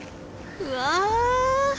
うわ。